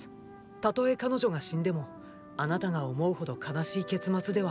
たとえ彼女が死んでもあなたが思うほど悲しい結末では。